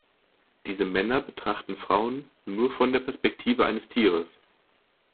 Diese Männer betrachten Frauen nur von der Perspektive eines Tieres.